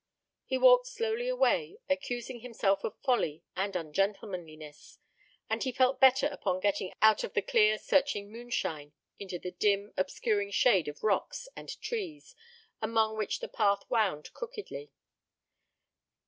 He walked slowly away, accusing himself of folly and ungentlemanliness, and he felt better upon getting out of the clear, searching moonshine into the dim, obscuring shade of rocks and trees, among which the path wound crookedly.